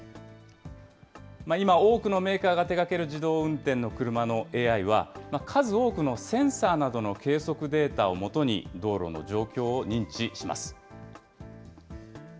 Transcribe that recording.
今、多くのメーカーが手がける自動運転の車のＡＩは、数多くのセンサーなどの計測データを基に、道路の状況を認知します。